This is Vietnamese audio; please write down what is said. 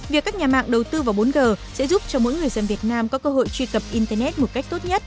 việc các nhà mạng đầu tư vào bốn g sẽ giúp cho mỗi người dân việt nam có cơ hội truy cập internet một cách tốt nhất